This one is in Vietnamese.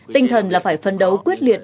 tinh thần là phải phấn đấu quyết liệt